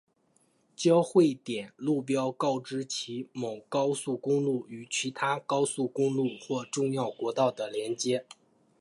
交汇点路标告知某高速公路与其他高速公路或重要国道的连接。